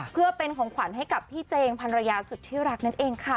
เพื่อเป็นของขวัญให้กับพี่เจงพันรยาสุดที่รักนั่นเองค่ะ